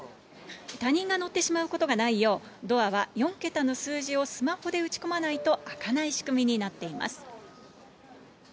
他人が乗ってしまうことがないよう、ドアは４桁の数字をスマホで打ち込まないと開かない仕組みになっています。